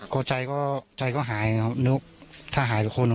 ก็ใจก็ใจก็หายครับนึกถ้าหายไปคน